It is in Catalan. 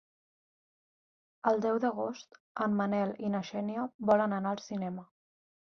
El deu d'agost en Manel i na Xènia volen anar al cinema.